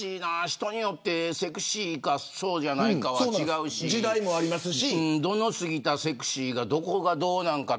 人によってセクシーかそうじゃないかは違うし度の過ぎたセクシーがどこがどうなのか。